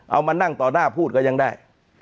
เอามานั่งต่อหน้าพูดก็ยังได้